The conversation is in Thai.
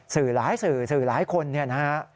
สื่อหลายสื่อสื่อหลายคนนะครับ